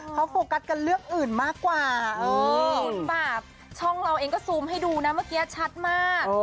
เขาโฟกัสกันเรื่องอื่นมากกว่าช่องเราเองก็ซูมให้ดูนะเมื่อกี้ชัดมาก